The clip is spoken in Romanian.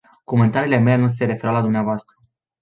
Comentariile mele nu se refereau la dvs.